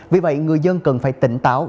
vì vậy người dân cần phải tỉnh táo